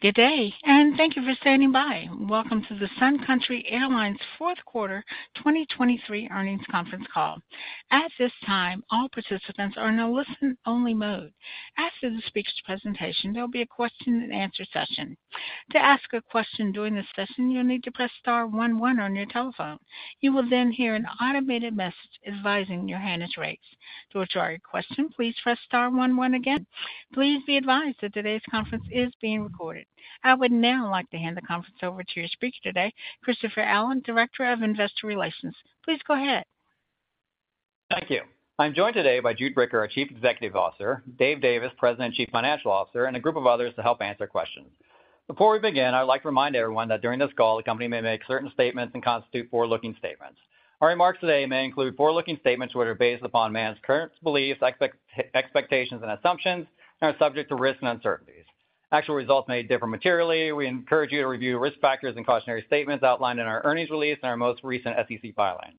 Good day, and thank you for standing by. Welcome to the Sun Country Airlines fourth quarter 2023 earnings conference call. At this time, all participants are in a listen-only mode. After the speaker's presentation, there will be a question-and-answer session. To ask a question during this session, you'll need to press star one one on your telephone. You will then hear an automated message advising your hand is raised. To withdraw your question, please press star one one again. Please be advised that today's conference is being recorded. I would now like to hand the conference over to your speaker today, Christopher Allen, Director of Investor Relations. Please go ahead. Thank you. I'm joined today by Jude Bricker, our Chief Executive Officer, Dave Davis, President and Chief Financial Officer, and a group of others to help answer questions. Before we begin, I'd like to remind everyone that during this call, the company may make certain statements that constitute forward-looking statements. Our remarks today may include forward-looking statements, which are based upon management's current beliefs, expectations, and assumptions, and are subject to risks and uncertainties. Actual results may differ materially. We encourage you to review risk factors and cautionary statements outlined in our earnings release and our most recent SEC filings.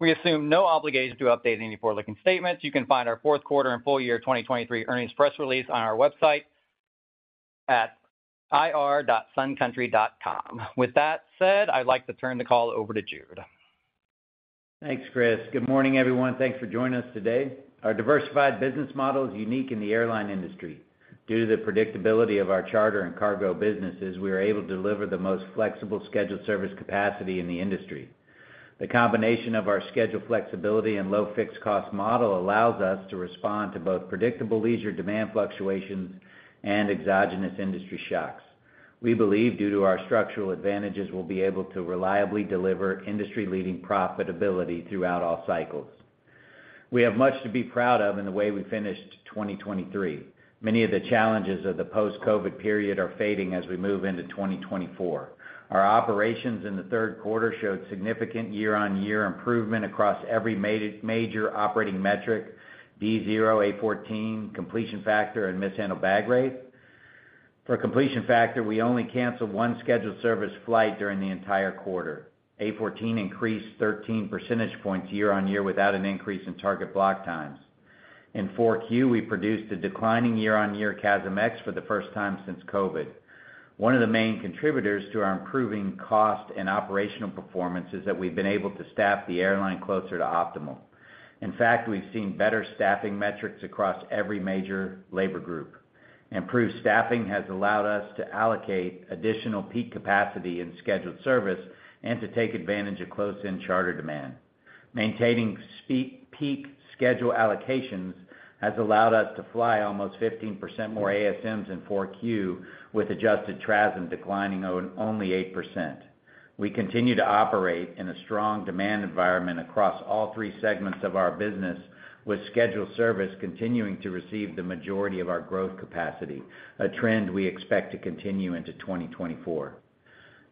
We assume no obligation to update any forward-looking statements. You can find our fourth quarter and full year 2023 earnings press release on our website at ir.suncountry.com. With that said, I'd like to turn the call over to Jude. Thanks, Chris. Good morning, everyone. Thanks for joining us today. Our diversified business model is unique in the airline industry. Due to the predictability of our Charter and Cargo businesses, we are able to deliver the most flexible Scheduled Service capacity in the industry. The combination of our schedule flexibility and low-fixed-cost model allows us to respond to both predictable leisure demand fluctuations and exogenous industry shocks. We believe, due to our structural advantages, we'll be able to reliably deliver industry-leading profitability throughout all cycles. We have much to be proud of in the way we finished 2023. Many of the challenges of the post-COVID period are fading as we move into 2024. Our operations in the third quarter showed significant year-on-year improvement across every major operating metric, D0, A14, completion factor, and mishandled bag rate. For completion factor, we only canceled one Scheduled Service flight during the entire quarter. A14 increased 13 percentage points year-on-year without an increase in target block times. In 4Q, we produced a declining year-on-year CASM-ex for the first time since COVID. One of the main contributors to our improving cost and operational performance is that we've been able to staff the airline closer to optimal. In fact, we've seen better staffing metrics across every major labor group. Improved staffing has allowed us to allocate additional peak capacity in Scheduled Service and to take advantage of close-in Charter demand. Maintaining peak schedule allocations has allowed us to fly almost 15% more ASMs in 4Q, with adjusted TRASM declining only 8%. We continue to operate in a strong demand environment across all three segments of our business, with Scheduled Service continuing to receive the majority of our growth capacity, a trend we expect to continue into 2024.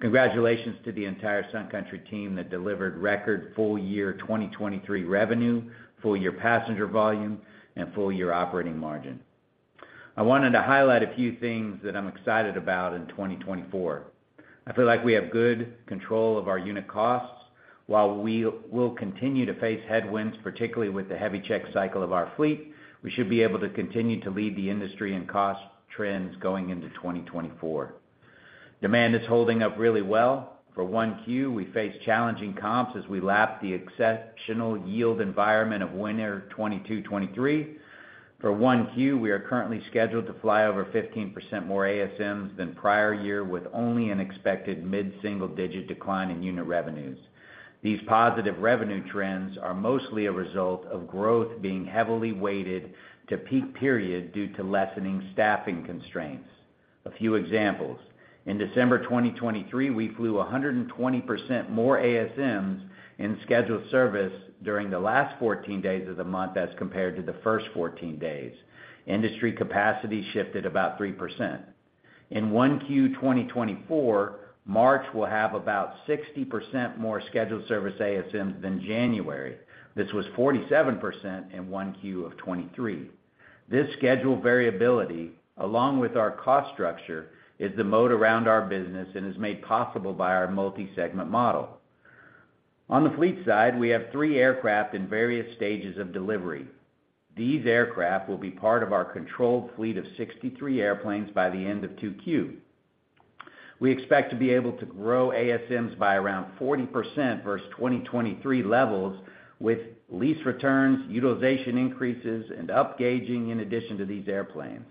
Congratulations to the entire Sun Country team that delivered record full-year 2023 revenue, full-year passenger volume, and full-year operating margin. I wanted to highlight a few things that I'm excited about in 2024. I feel like we have good control of our unit costs. While we will continue to face headwinds, particularly with the heavy check cycle of our fleet, we should be able to continue to lead the industry in cost trends going into 2024. Demand is holding up really well. For 1Q, we face challenging comps as we lap the exceptional yield environment of winter 2022-2023. For 1Q, we are currently scheduled to fly over 15% more ASMs than prior year, with only an expected mid-single-digit decline in unit revenues. These positive revenue trends are mostly a result of growth being heavily weighted to peak period due to lessening staffing constraints. A few examples: in December 2023, we flew 120% more ASMs in Scheduled Service during the last 14 days of the month as compared to the first 14 days. Industry capacity shifted about 3%. In 1Q 2024, March will have about 60% more Scheduled Service ASMs than January. This was 47% in 1Q of 2023. This schedule variability, along with our cost structure, is the mode around our business and is made possible by our multi-segment model. On the fleet side, we have three aircraft in various stages of delivery. These aircraft will be part of our controlled fleet of 63 airplanes by the end of 2Q. We expect to be able to grow ASMs by around 40% versus 2023 levels, with lease returns, utilization increases, and upgauging in addition to these airplanes.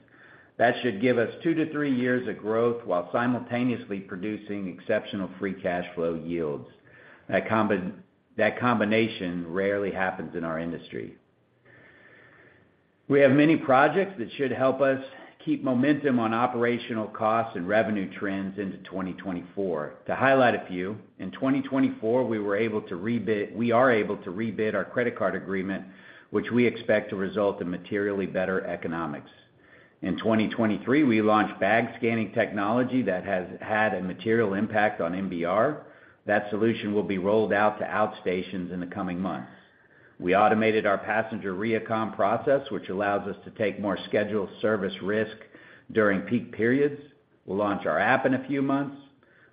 That should give us two to three years of growth while simultaneously producing exceptional free cash flow yields. That combination rarely happens in our industry. We have many projects that should help us keep momentum on operational costs and revenue trends into 2024. To highlight a few, in 2024, we are able to rebid our credit card agreement, which we expect to result in materially better economics. In 2023, we launched bag scanning technology that has had a material impact on MBR. That solution will be rolled out to outstations in the coming months. We automated our passenger re-accommodation process, which allows us to take more Scheduled Service risk during peak periods. We'll launch our app in a few months.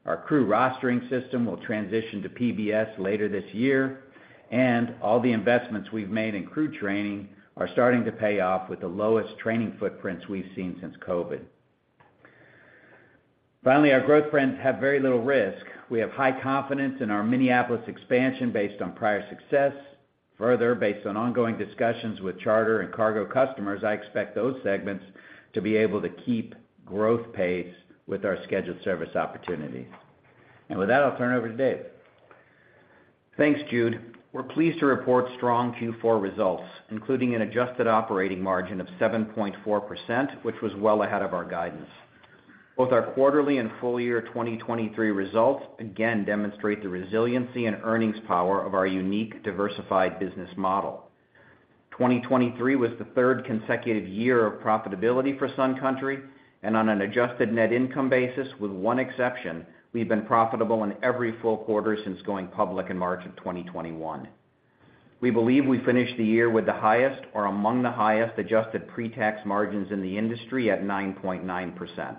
Our crew rostering system will transition to PBS later this year, and all the investments we've made in crew training are starting to pay off with the lowest training footprints we've seen since COVID. Finally, our growth trends have very little risk. We have high confidence in our Minneapolis expansion based on prior success. Further, based on ongoing discussions with Charter and Cargo customers, I expect those segments to be able to keep growth pace with our Scheduled Service opportunities. With that, I'll turn it over to Dave. Thanks, Jude. We're pleased to report strong Q4 results, including an adjusted operating margin of 7.4%, which was well ahead of our guidance. Both our quarterly and full year 2023 results again demonstrate the resiliency and earnings power of our unique, diversified business model. Twenty twenty-three was the third consecutive year of profitability for Sun Country, and on an adjusted net income basis, with one exception, we've been profitable in every full quarter since going public in March 2021. We believe we finished the year with the highest or among the highest adjusted pre-tax margins in the industry at 9.9%.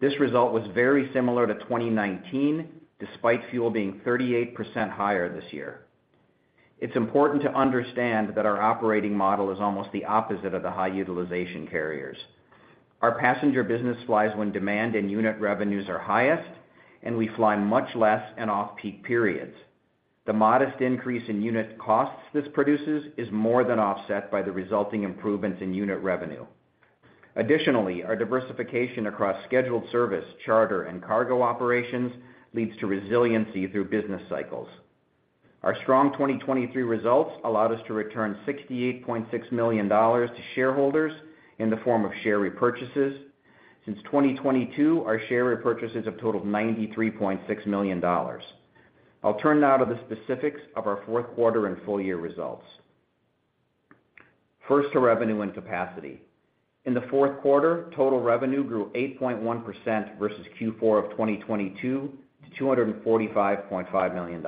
This result was very similar to 2019, despite fuel being 38% higher this year. It's important to understand that our operating model is almost the opposite of the high utilization carriers. Our passenger business flies when demand and unit revenues are highest, and we fly much less in off-peak periods. The modest increase in unit costs this produces is more than offset by the resulting improvements in unit revenue. Additionally, our diversification across Scheduled Service, Charter, and Cargo operations leads to resiliency through business cycles. Our strong 2023 results allowed us to return $68.6 million to shareholders in the form of share repurchases. Since 2022, our share repurchases have totaled $93.6 million. I'll turn now to the specifics of our fourth quarter and full year results. First to revenue and capacity. In the fourth quarter, total revenue grew 8.1% versus Q4 of 2022 to $245.5 million.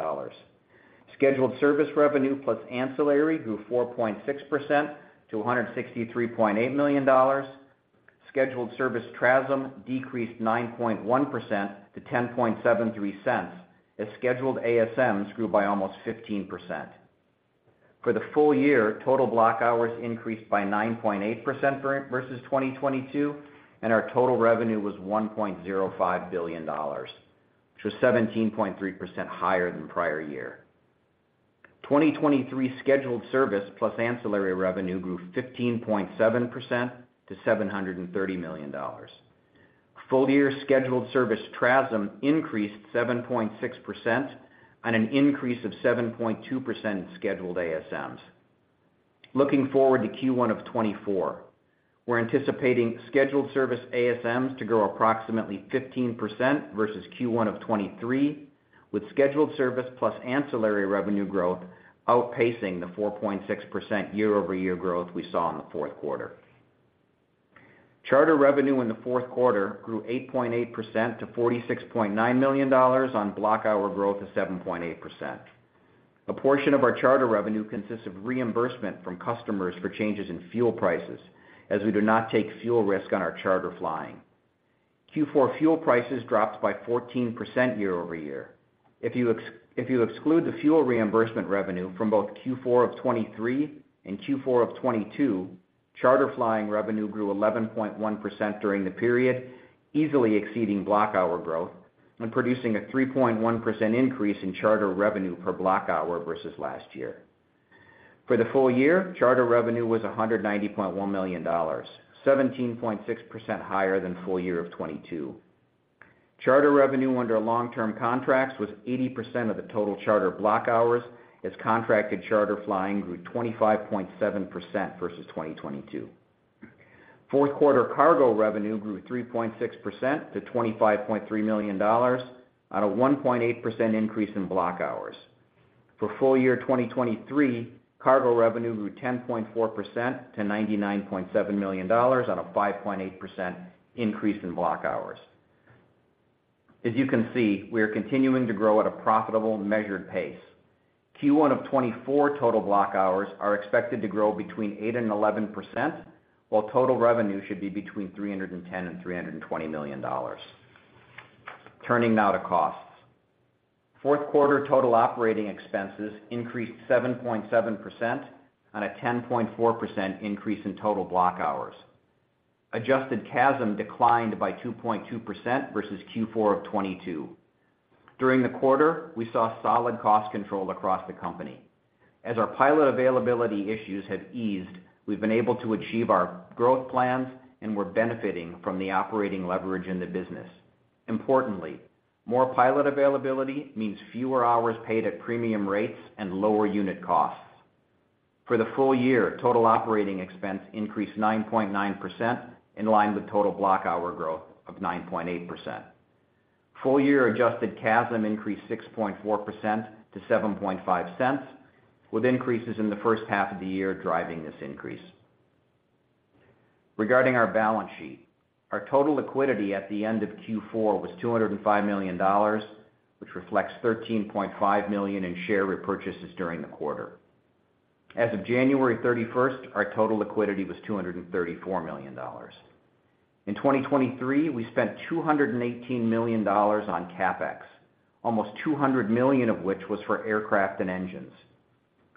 Scheduled Service revenue plus Ancillary grew 4.6% to $163.8 million. Scheduled Service TRASM decreased 9.1% to $0.1073 cents, as scheduled ASMs grew by almost 15%. For the full year, total block hours increased by 9.8% versus 2022, and our total revenue was $1.05 billion, which was 17.3% higher than prior year. Twenty twenty-three Scheduled Service plus Ancillary revenue grew 15.7% to $730 million. Full-year Scheduled Service TRASM increased 7.6% on an increase of 7.2% in scheduled ASMs. Looking forward to Q1 of 2024, we're anticipating Scheduled Service ASMs to grow approximately 15% versus Q1 of 2023, with Scheduled Service plus Ancillary revenue growth outpacing the 4.6% year-over-year growth we saw in the fourth quarter. Charter revenue in the fourth quarter grew 8.8% to $46.9 million on block hour growth of 7.8%. A portion of our Charter revenue consists of reimbursement from customers for changes in fuel prices, as we do not take fuel risk on our charter flying. Q4 fuel prices dropped by 14% year-over-year. If you exclude the fuel reimbursement revenue from both Q4 of 2023 and Q4 of 2022, charter flying revenue grew 11.1% during the period, easily exceeding block hour growth and producing a 3.1% increase in charter revenue per block hour versus last year. For the full year, Charter revenue was $190.1 million, 17.6% higher than full year of 2022. Charter revenue under long-term contracts was 80% of the total charter block hours, as contracted charter flying grew 25.7% versus 2022. Fourth quarter Cargo revenue grew 3.6% to $25.3 million on a 1.8% increase in block hours. For full year 2023, Cargo revenue grew 10.4% to $99.7 million on a 5.8% increase in block hours. As you can see, we are continuing to grow at a profitable, measured pace. Q1 of 2024 total block hours are expected to grow between 8% and 11%, while total revenue should be between $310 million and $320 million. Turning now to costs. Fourth quarter total operating expenses increased 7.7% on a 10.4% increase in total block hours. Adjusted CASM declined by 2.2% versus Q4 of 2022. During the quarter, we saw solid cost control across the company. As our pilot availability issues have eased, we've been able to achieve our growth plans and we're benefiting from the operating leverage in the business. Importantly, more pilot availability means fewer hours paid at premium rates and lower unit costs. For the full year, total operating expense increased 9.9%, in line with total block hour growth of 9.8%. Full-year adjusted CASM increased 6.4% to $0.075, with increases in the first half of the year driving this increase. Regarding our balance sheet, our total liquidity at the end of Q4 was $205 million, which reflects $13.5 million in share repurchases during the quarter. As of January 31st, our total liquidity was $234 million. In 2023, we spent $218 million on CapEx, almost $200 million of which was for aircraft and engines.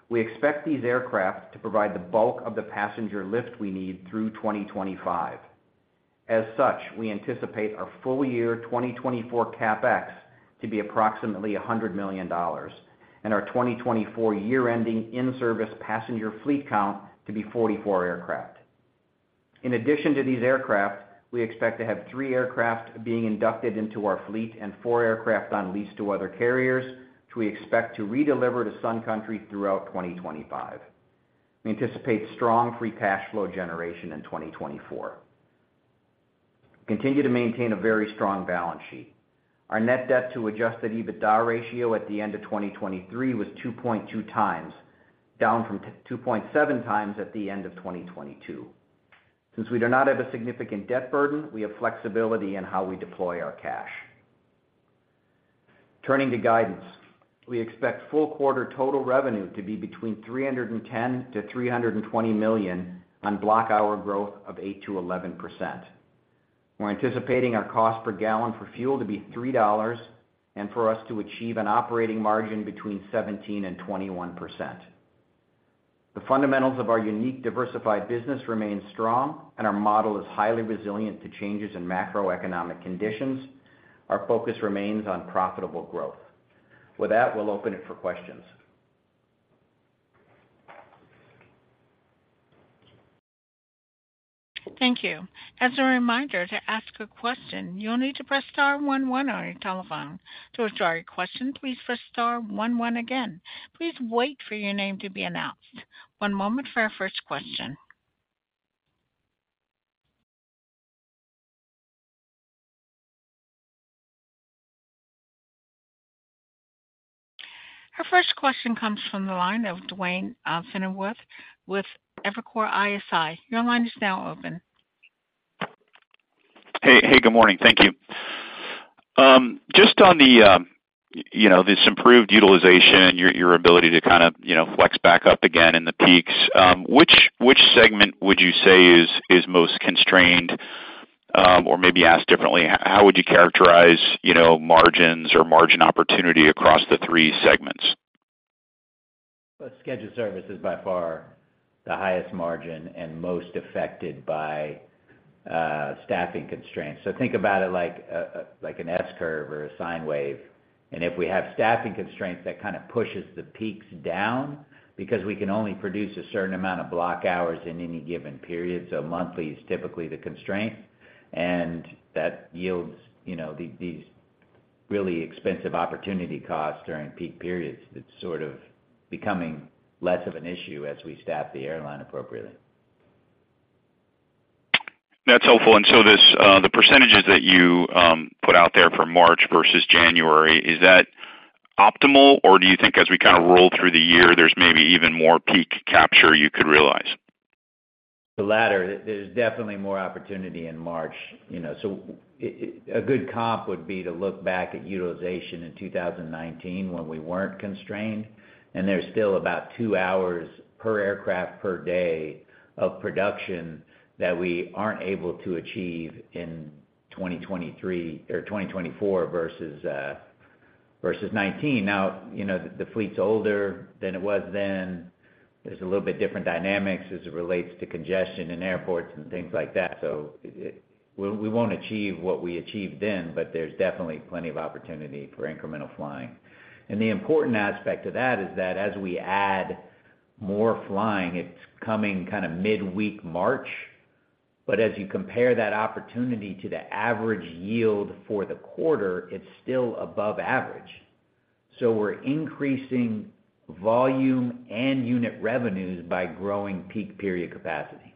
We expect these aircraft to provide the bulk of the passenger lift we need through 2025. As such, we anticipate our full year 2024 CapEx to be approximately $100 million, and our 2024 year-ending in-service passenger fleet count to be 44 aircraft. In addition to these aircraft, we expect to have three aircraft being inducted into our fleet and four aircraft on lease to other carriers, which we expect to redeliver to Sun Country throughout 2025. We anticipate strong free cash flow generation in 2024. We continue to maintain a very strong balance sheet. Our net debt-to-adjusted EBITDA ratio at the end of 2023 was 2.2x, down from 2.7x at the end of 2022. Since we do not have a significant debt burden, we have flexibility in how we deploy our cash. Turning to guidance. We expect full-quarter total revenue to be between $310 million-$320 million on block hour growth of 8%-11%. We're anticipating our cost per gallon for fuel to be $3 and for us to achieve an operating margin between 17%-21%. The fundamentals of our unique diversified business remain strong, and our model is highly resilient to changes in macroeconomic conditions. Our focus remains on profitable growth. With that, we'll open it for questions. Thank you. As a reminder, to ask a question, you'll need to press star one one on your telephone. To withdraw your question, please press star one one again. Please wait for your name to be announced. One moment for our first question. Our first question comes from the line of Duane Pfennigwerth with Evercore ISI. Your line is now open. Hey, hey, good morning. Thank you. Just on the, you know, this improved utilization, your ability to kind of, you know, flex back up again in the peaks, which segment would you say is most constrained? Or maybe asked differently, how would you characterize, you know, margins or margin opportunity across the three segments? Well, Scheduled Service is by far the highest margin and most affected by staffing constraints. So think about it like an S-curve or a sine wave, and if we have staffing constraints, that kind of pushes the peaks down because we can only produce a certain amount of block hours in any given period. So monthly is typically the constraint, and that yields, you know, these really expensive opportunity costs during peak periods. It's sort of becoming less of an issue as we staff the airline appropriately. That's helpful. And so this, the percentages that you put out there for March versus January, is that optimal, or do you think as we kind of roll through the year, there's maybe even more peak capture you could realize? The latter. There's definitely more opportunity in March, you know, so a good comp would be to look back at utilization in 2019, when we weren't constrained, and there's still about two hours per aircraft per day of production that we aren't able to achieve in 2023 or 2024 versus 2019. Now, you know, the fleet's older than it was then. There's a little bit different dynamics as it relates to congestion in airports and things like that. So we, we won't achieve what we achieved then, but there's definitely plenty of opportunity for incremental flying. And the important aspect of that is that as we add more flying, it's coming kind of midweek March, but as you compare that opportunity to the average yield for the quarter, it's still above average. So we're increasing volume and unit revenues by growing peak period capacity.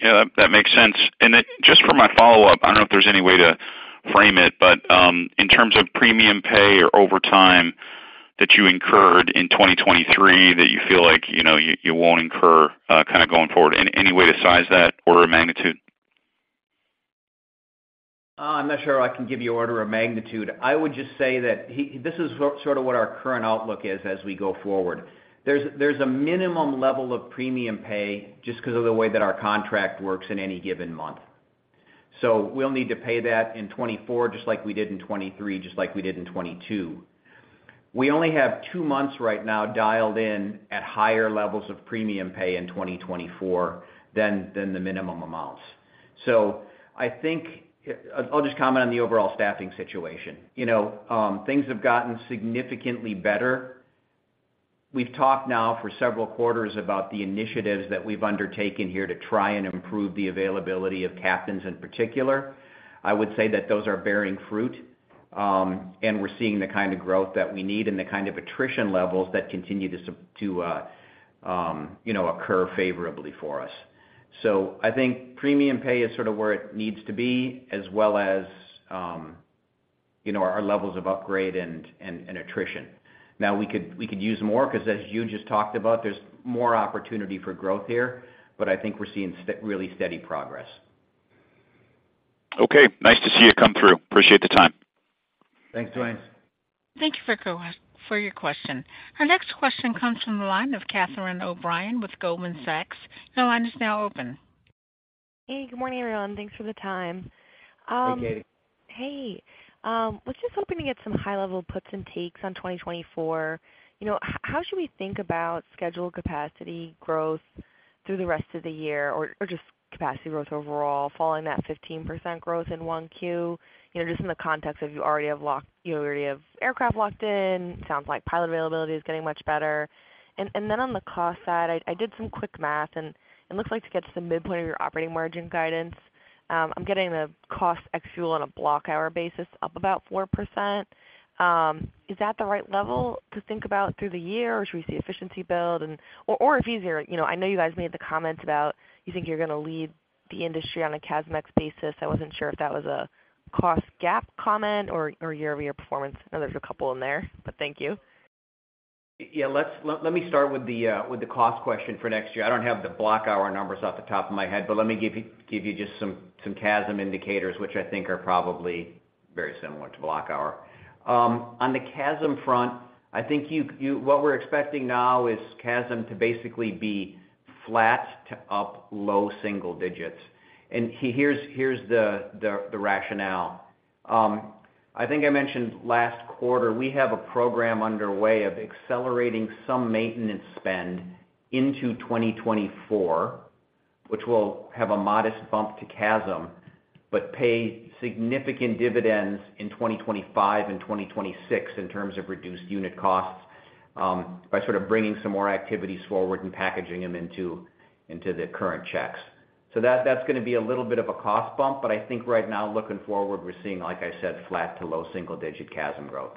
Yeah, that, that makes sense. And then just for my follow-up, I don't know if there's any way to frame it, but, in terms of premium pay or overtime that you incurred in 2023, that you feel like, you know, you, you won't incur, kind of going forward. Any way to size that or a magnitude? I'm not sure I can give you order of magnitude. I would just say that this is sort of what our current outlook is as we go forward. There's a minimum level of premium pay just because of the way that our contract works in any given month. So we'll need to pay that in 2024, just like we did in 2023, just like we did in 2022. We only have two months right now dialed in at higher levels of premium pay in 2024 than the minimum amounts. So I think, I'll just comment on the overall staffing situation. You know, things have gotten significantly better. We've talked now for several quarters about the initiatives that we've undertaken here to try and improve the availability of captains in particular. I would say that those are bearing fruit, and we're seeing the kind of growth that we need and the kind of attrition levels that continue to, you know, occur favorably for us. So I think premium pay is sort of where it needs to be, as well as, you know, our levels of upgrade and, and attrition. Now, we could, we could use more because, as you just talked about, there's more opportunity for growth here, but I think we're seeing really steady progress. Okay, nice to see you come through. Appreciate the time. Thanks, Duane. Thank you for your question. Our next question comes from the line of Catherine O'Brien with Goldman Sachs. Your line is now open. Hey, good morning, everyone. Thanks for the time. Hey, Catie. Hey, was just hoping to get some high-level puts and takes on 2024. You know, how should we think about schedule capacity growth through the rest of the year, or just capacity growth overall, following that 15% growth in 1Q? You know, just in the context of you already have aircraft locked in. Sounds like pilot availability is getting much better. And then on the cost side, I did some quick math, and it looks like to get to the midpoint of your operating margin guidance, I'm getting the cost ex-fuel on a block hour basis up about 4%. Is that the right level to think about through the year, or should we see efficiency build? Or if easier, you know, I know you guys made the comment about you think you're gonna lead the industry on a CASM-ex basis. I wasn't sure if that was a cost gap comment or year-over-year performance. I know there's a couple in there, but thank you. Yeah, let me start with the cost question for next year. I don't have the block hour numbers off the top of my head, but let me give you just some CASM indicators, which I think are probably very similar to block hour. On the CASM front, I think what we're expecting now is CASM to basically be flat to up low single digits. Here's the rationale. I think I mentioned last quarter, we have a program underway of accelerating some maintenance spend into 2024, which will have a modest bump to CASM, but pay significant dividends in 2025 and 2026 in terms of reduced unit costs, by sort of bringing some more activities forward and packaging them into the current checks. So that, that's gonna be a little bit of a cost bump, but I think right now, looking forward, we're seeing, like I said, flat to low single-digit CASM growth.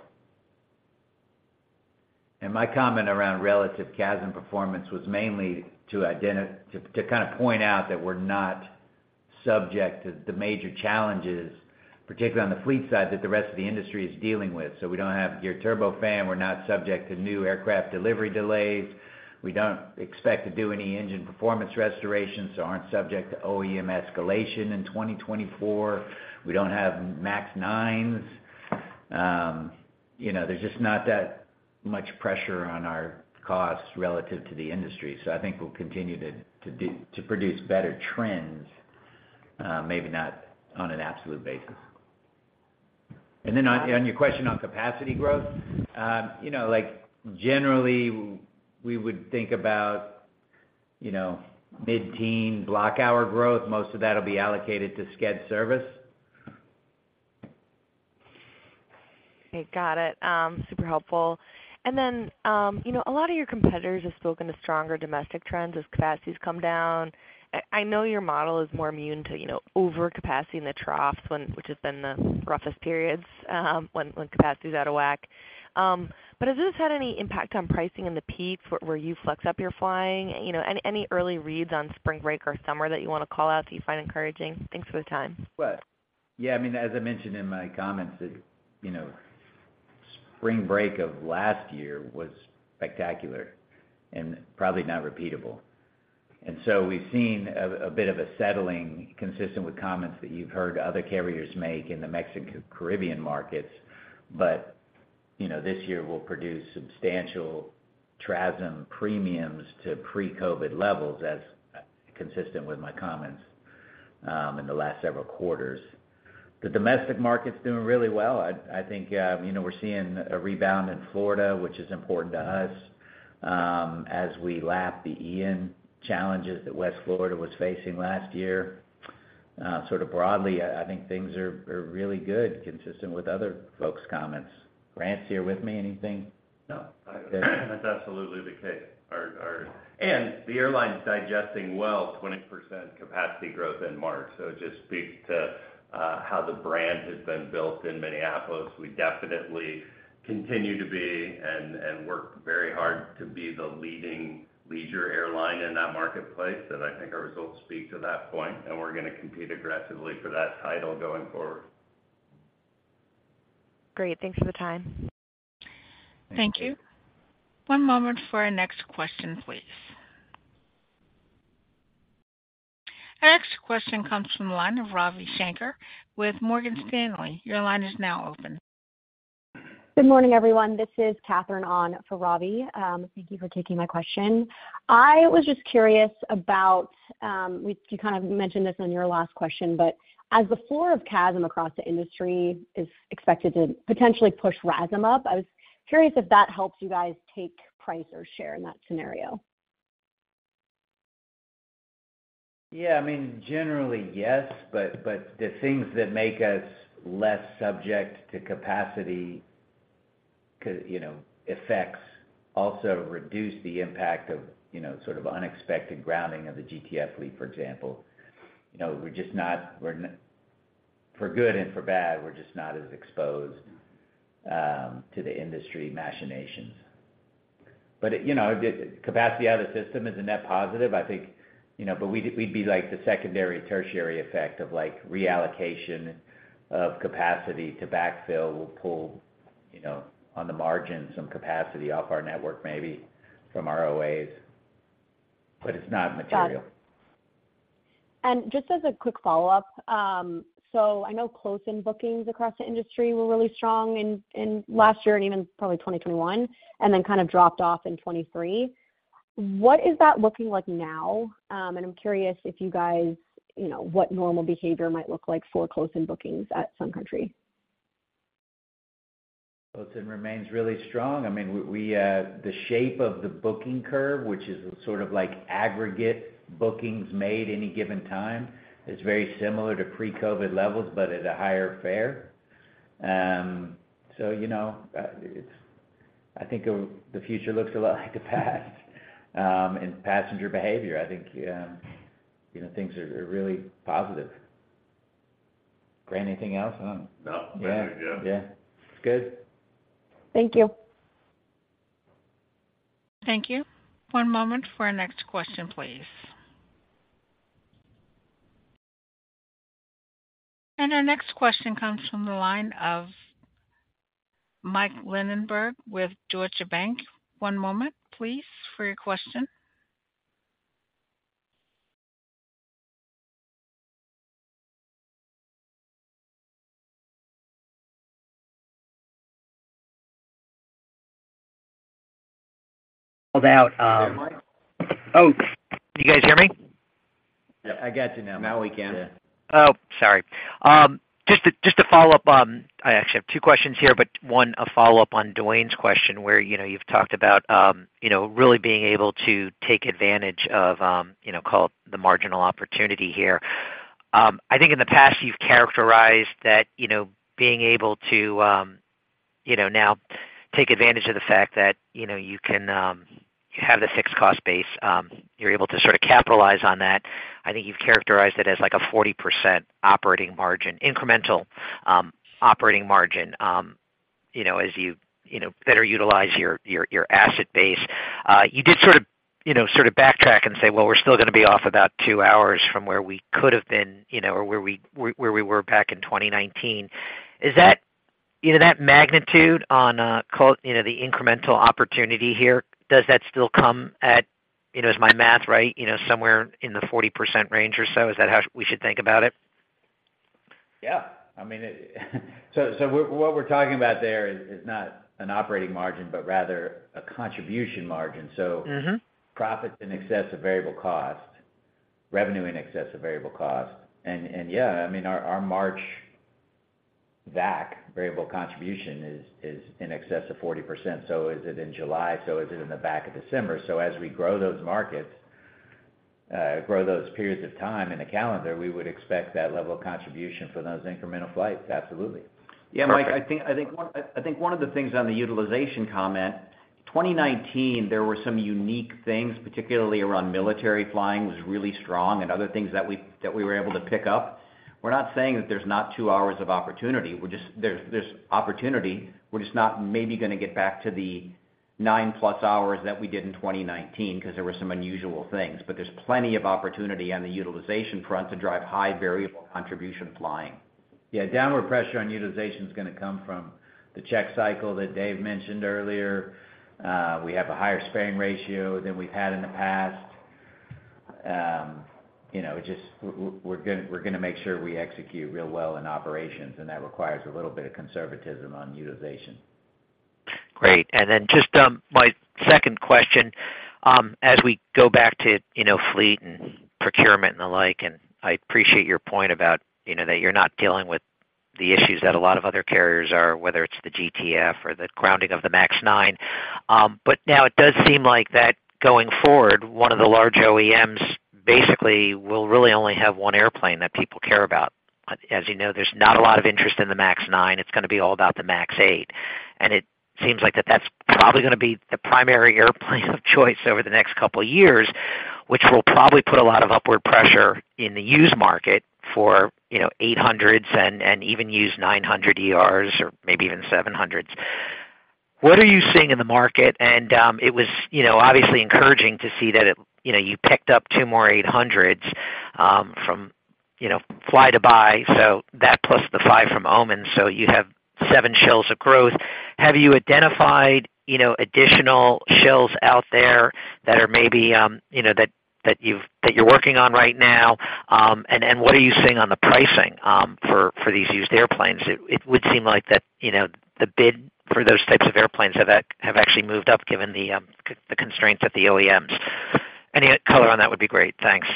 My comment around relative CASM performance was mainly to identify, to kind of point out that we're not subject to the major challenges, particularly on the fleet side, that the rest of the industry is dealing with. So we don't have geared turbofan. We're not subject to new aircraft delivery delays. We don't expect to do any engine performance restorations, so aren't subject to OEM escalation in 2024. We don't have MAX 9s. You know, there's just not that much pressure on our costs relative to the industry. So I think we'll continue to produce better trends, maybe not on an absolute basis. And then on your question on capacity growth, you know, like, generally, we would think about, you know, mid-teen block hour growth. Most of that will be allocated to Sched Service. Okay, got it. Super helpful. And then, you know, a lot of your competitors have spoken to stronger domestic trends as capacities come down. I, I know your model is more immune to, you know, overcapacity in the troughs, when—which has been the roughest periods, when, when capacity is out of whack. But has this had any impact on pricing in the peaks where, where you flex up your flying? You know, any, any early reads on spring break or summer that you want to call out that you find encouraging? Thanks for the time. Well, yeah, I mean, as I mentioned in my comments, that, you know, spring break of last year was spectacular and probably not repeatable. And so we've seen a bit of a settling consistent with comments that you've heard other carriers make in the Mexican, Caribbean markets. But, you know, this year will produce substantial TRASM premiums to pre-COVID levels, as consistent with my comments in the last several quarters. The domestic market's doing really well. I think, you know, we're seeing a rebound in Florida, which is important to us, as we lap the Ian challenges that West Florida was facing last year. Sort of broadly, I think things are really good, consistent with other folks' comments. Grant, you're with me, anything? No, that's absolutely the case. The airline's digesting well 20% capacity growth in March. So it just speaks to how the brand has been built in Minneapolis. We definitely continue to be and work very hard to be the leading leisure airline in that marketplace, and I think our results speak to that point, and we're gonna compete aggressively for that title going forward. Great. Thanks for the time. Thank you. One moment for our next question, please. Our next question comes from the line of Ravi Shanker with Morgan Stanley. Your line is now open. Good morning, everyone. This is Catherine on for Robbie. Thank you for taking my question. I was just curious about, you kind of mentioned this on your last question, but as the floor of CASM across the industry is expected to potentially push RASM up, I was curious if that helps you guys take price or share in that scenario? Yeah, I mean, generally, yes, but, but the things that make us less subject to capacity, you know, effects, also reduce the impact of, you know, sort of unexpected grounding of the GTF fleet, for example. You know, we're just not, we're not for good and for bad, we're just not as exposed, to the industry machinations. But, you know, the capacity out of the system is a net positive, I think, you know, but we'd, we'd be like the secondary, tertiary effect of, like, reallocation of capacity to backfill. We'll pull, you know, on the margin, some capacity off our network, maybe from our OAs, but it's not material. Got it. And just as a quick follow-up, so I know close-in bookings across the industry were really strong in, in last year and even probably 2021, and then kind of dropped off in 2023. What is that looking like now? And I'm curious if you guys, you know, what normal behavior might look like for close-in bookings at Sun Country. Close-in remains really strong. I mean, the shape of the booking curve, which is sort of like aggregate bookings made any given time, is very similar to pre-COVID levels, but at a higher fare. So, you know, it's-- I think the future looks a lot like the past, in passenger behavior. I think, you know, things are really positive. Grant, anything else? I don't—No. Yeah. Yeah. It's good. Thank you. Thank you. One moment for our next question, please. Our next question comes from the line of Mike Linenberg with Deutsche Bank. One moment, please, for your question. Out, um—oh. Do you guys hear me? Yep, I got you now. Now we can. Oh, sorry. Just to follow up on—I actually have two questions here, but one, a follow-up on Duane's question, where, you know, you've talked about, really being able to take advantage of, you know, call it the marginal opportunity here. I think in the past, you've characterized that, you know, being able to, now take advantage of the fact that, you know, you can, you have the fixed cost base, you're able to sort of capitalize on that. I think you've characterized it as like a 40% operating margin, incremental, operating margin, you know, as you, you know, better utilize your, your, your asset base. You did sort of, you know, sort of backtrack and say, "Well, we're still gonna be off about two hours from where we could have been, you know, or where we, where we were back in 2019." Is that, you know, that magnitude on, call, you know, the incremental opportunity here, does that still come at, you know, is my math right, you know, somewhere in the 40% range or so? Is that how we should think about it? Yeah. I mean, so what we're talking about there is not an operating margin, but rather a contribution margin. Mm-hmm. So profits in excess of variable cost, revenue in excess of variable cost. And, and, yeah, I mean, our, our March VAC, variable contribution, is, is in excess of 40%. So is it in July, so is it in the back of December. So as we grow those markets, grow those periods of time in the calendar, we would expect that level of contribution for those incremental flights. Absolutely. Yeah, Mike, I think one of the things on the utilization comment, 2019, there were some unique things, particularly around military flying, was really strong and other things that we were able to pick up. We're not saying that there's not two hours of opportunity. We're just—there's opportunity. We're just not maybe gonna get back to the nine-plus hours that we did in 2019 because there were some unusual things, but there's plenty of opportunity on the utilization front to drive high-variable contribution flying. Yeah, downward pressure on utilization is gonna come from the check cycle that Dave mentioned earlier. We have a higher sparing ratio than we've had in the past. You know, just we're gonna make sure we execute real well in operations, and that requires a little bit of conservatism on utilization. Great. Then just, my second question, as we go back to, you know, fleet and procurement and the like, and I appreciate your point about, you know, that you're not dealing with the issues that a lot of other carriers are, whether it's the GTF or the grounding of the MAX 9. But now it does seem like that going forward, one of the large OEMs basically will really only have one airplane that people care about. As you know, there's not a lot of interest in the MAX 9. It's gonna be all about the MAX 8. And it seems like that that's probably gonna be the primary airplane of choice over the next couple of years, which will probably put a lot of upward pressure in the used market for, you know, 800s and 900ERs or maybe even 700s. What are you seeing in the market? It was, you know, obviously encouraging to see that it, you know, you picked up two more 800s from, you know, Flydubai so that plus the five from Oman, so you have seven shells of growth. Have you identified, you know, additional shells out there that are maybe, you know, that you're working on right now? And what are you seeing on the pricing for these used airplanes? It would seem like that, you know, the bid for those types of airplanes have actually moved up, given the constraints at the OEMs. Any color on that would be great. Thanks.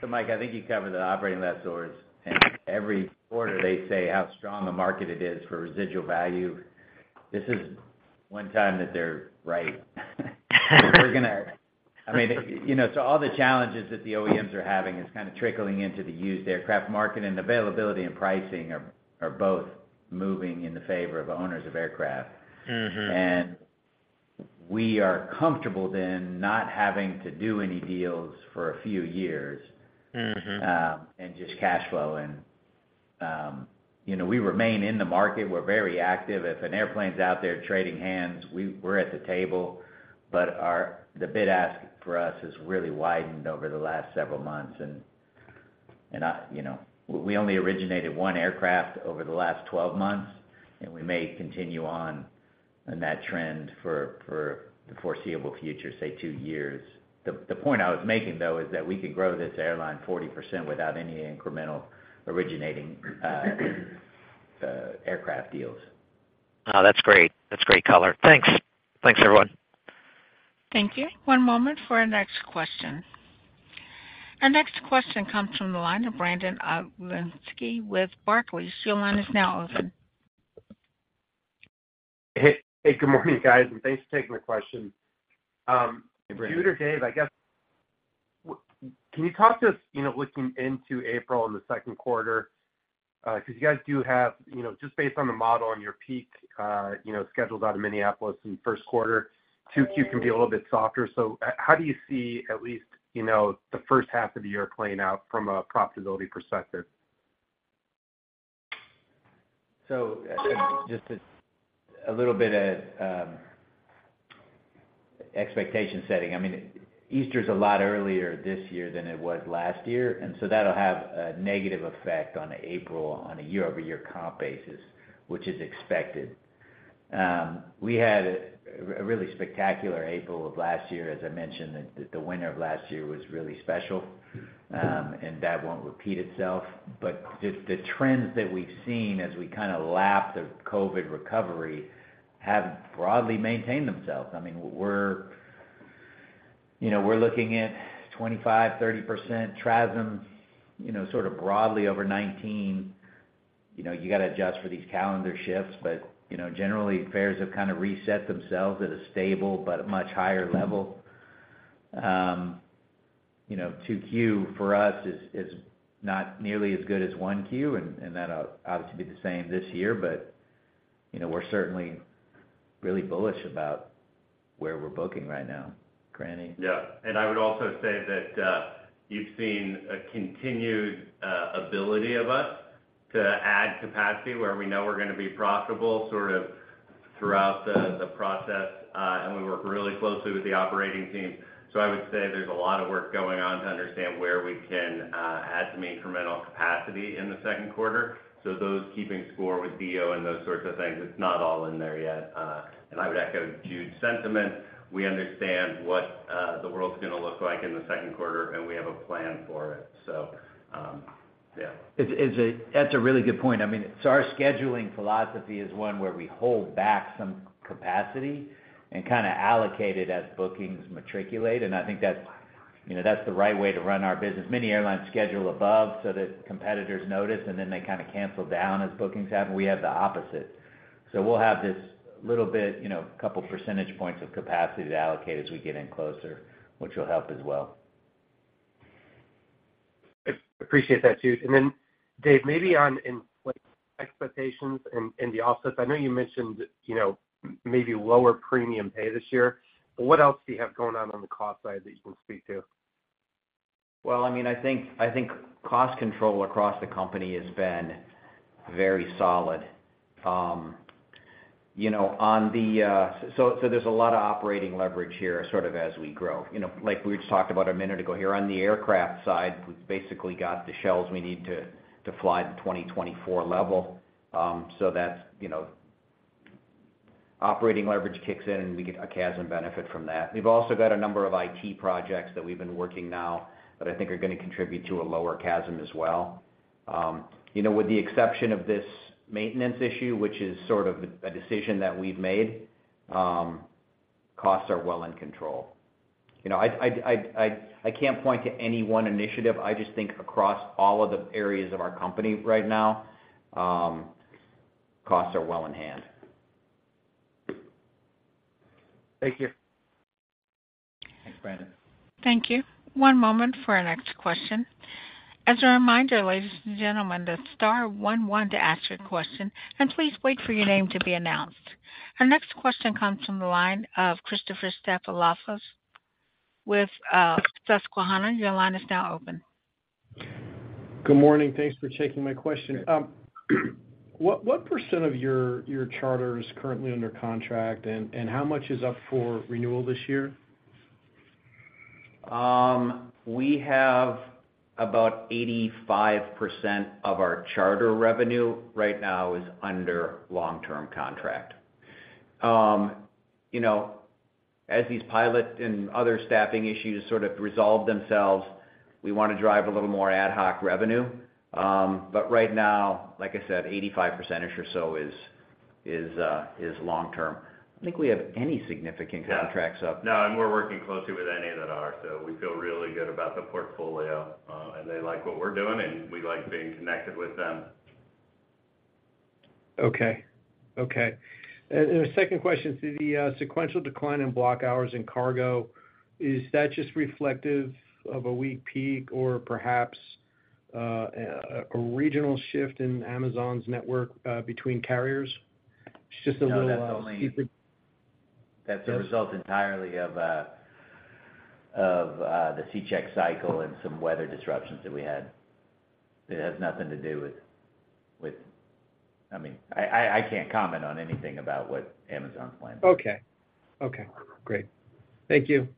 So, Mike, I think you covered the operating lessors, and every quarter they say how strong the market is for residual value. This is one time that they're right. We're gonna—I mean, you know, so all the challenges that the OEMs are having is kind of trickling into the used aircraft market, and availability and pricing are both moving in the favor of owners of aircraft. Mm-hmm. And we are comfortable then not having to do any deals for a few years— Mm-hmm. And just cash flowing. You know, we remain in the market. We're very active. If an airplane's out there trading hands, we're at the table, but our bid-ask for us has really widened over the last several months, and I, you know, we only originated one aircraft over the last 12 months, and we may continue on in that trend for the foreseeable future, say, two years. The point I was making, though, is that we could grow this airline 40% without any incremental originating aircraft deals. Oh, that's great. That's great color. Thanks. Thanks, everyone. Thank you. One moment for our next question. Our next question comes from the line of Brandon Oglenski with Barclays. Your line is now open. Hey, good morning, guys, and thanks for taking my question. Hey, Brandon. Jude or Dave, I guess, can you talk to us, you know, looking into April in the second quarter? Because you guys do have, you know, just based on the model on your peak, you know, schedules out of Minneapolis in the first quarter, 2Q can be a little bit softer. So how do you see at least, you know, the first half of the year playing out from a profitability perspective? Just to a little bit of expectation setting. I mean, Easter is a lot earlier this year than it was last year, and so that'll have a negative effect on April on a year-over-year comp basis, which is expected. We had a really spectacular April of last year, as I mentioned, that the winter of last year was really special, and that won't repeat itself. But the trends that we've seen as we kind of lap the COVID recovery have broadly maintained themselves. I mean, we're, you know, we're looking at 25%-30% TRASM, you know, sort of broadly over 2019. You know, you got to adjust for these calendar shifts, but, you know, generally, fares have kind of reset themselves at a stable but a much higher level. You know, 2Q for us is not nearly as good as 1Q, and that'll obviously be the same this year. But, you know, we're certainly really bullish about where we're booking right now, granting— Yeah, and I would also say that, you've seen a continued ability of us to add capacity where we know we're going to be profitable sort of throughout the process, and we work really closely with the operating team. So I would say there's a lot of work going on to understand where we can add some incremental capacity in the second quarter. So those keeping score with BO and those sorts of things, it's not all in there yet. And I would echo Jude's sentiment. We understand what the world's going to look like in the second quarter, and we have a plan for it. So, yeah. It's a really good point. I mean, so our scheduling philosophy is one where we hold back some capacity and kind of allocate it as bookings materialize, and I think that's, you know, that's the right way to run our business. Many airlines schedule above so that competitors notice, and then they kind of cancel down as bookings happen. We have the opposite. So we'll have this little bit, you know, a couple percentage points of capacity to allocate as we get in closer, which will help as well. I appreciate that, Jude. And then, Dave, maybe on, like, expectations and the offsets. I know you mentioned, you know, maybe lower premium pay this year, but what else do you have going on the cost side that you can speak to? Well, I mean, I think, I think cost control across the company has been very solid. You know, on the—so, so there's a lot of operating leverage here, sort of, as we grow. You know, like we just talked about a minute ago here on the aircraft side, we've basically got the shells we need to fly the 2024 level. So that's, you know, operating leverage kicks in, and we get a CASM benefit from that. We've also got a number of IT projects that we've been working now that I think are going to contribute to a lower CASM as well. You know, with the exception of this maintenance issue, which is sort of a decision that we've made, costs are well in control. You know, I can't point to any one initiative. I just think across all of the areas of our company right now, costs are well in hand. Thank you. Thanks, Brandon. Thank you. One moment for our next question. As a reminder, ladies and gentlemen, the star one one to ask your question, and please wait for your name to be announced. Our next question comes from the line of Christopher Stathoulopoulos with Susquehanna. Your line is now open. Good morning. Thanks for taking my question. What percent of your Charter is currently under contract, and how much is up for renewal this year? We have about 85% of our Charter revenue right now is under long-term contract. You know, as these pilot and other staffing issues sort of resolve themselves, we want to drive a little more ad hoc revenue. But right now, like I said, 85% or so is long term. I don't think we have any significant contracts up. No, and we're working closely with any that are, so we feel really good about the portfolio, and they like what we're doing, and we like being connected with them. Okay. Okay. And a second question, see the sequential decline in block hours in Cargo, is that just reflective of a weak peak or perhaps a regional shift in Amazon's network between carriers? It's just a little, No, that's only— Yes. That's a result entirely of the C check cycle and some weather disruptions that we had. It has nothing to do with—I mean, I can't comment on anything about what Amazon's plan is. Okay. Okay, great. Thank you.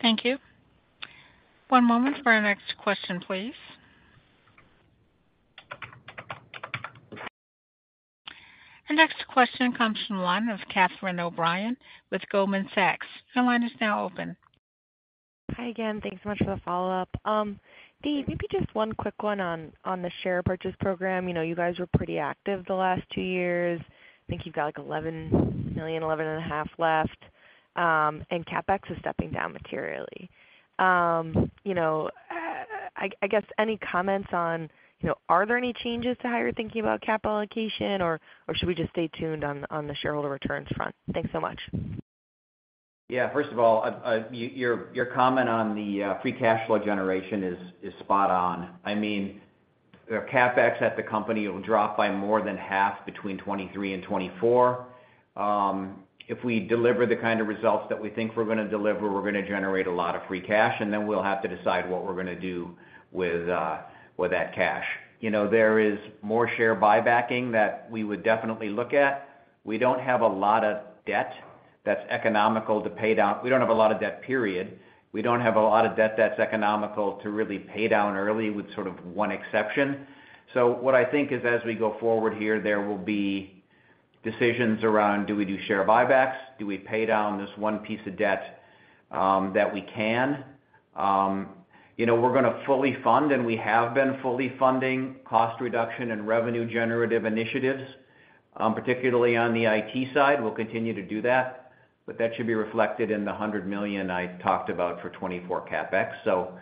Thank you. One moment for our next question, please. Our next question comes from the line of Catherine O'Brien with Goldman Sachs. Your line is now open. Hi again, thanks so much for the follow-up. Maybe just one quick one on the share purchase program. You know, you guys were pretty active the last two years. I think you've got, like, 11 million, 11.5 million left, and CapEx is stepping down materially. You know, I guess any comments on, you know, are there any changes to how you're thinking about capital allocation, or should we just stay tuned on the shareholder returns front? Thanks so much. Yeah, first of all, your comment on the free cash flow generation is spot on. I mean, the CapEx at the company will drop by more than half between 2023 and 2024. If we deliver the kind of results that we think we're gonna deliver, we're gonna generate a lot of free cash, and then we'll have to decide what we're gonna do with that cash. You know, there is more share buybacking that we would definitely look at. We don't have a lot of debt that's economical to pay down. We don't have a lot of debt, period. We don't have a lot of debt that's economical to really pay down early, with sort of one exception. So what I think is, as we go forward here, there will be decisions around do we do share buybacks? Do we pay down this one piece of debt that we can? You know, we're gonna fully fund, and we have been fully funding cost reduction and revenue-generative initiatives, particularly on the IT side. We'll continue to do that, but that should be reflected in the $100 million I talked about for 2024 CapEx. So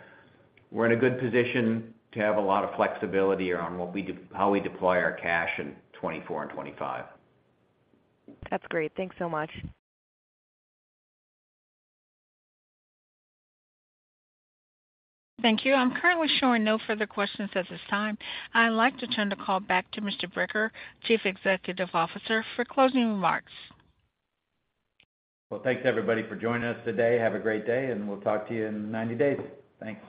we're in a good position to have a lot of flexibility around how we deploy our cash in 2024 and 2025. That's great. Thanks so much. Thank you. I'm currently showing no further questions at this time. I'd like to turn the call back to Mr. Bricker, Chief Executive Officer, for closing remarks. Well, thanks, everybody, for joining us today. Have a great day, and we'll talk to you in 90 days. Thanks.